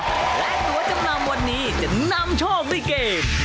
และตัวจำนำวันนี้จะนำโชคด้วยเกม